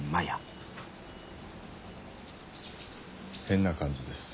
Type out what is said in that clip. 変な感じです。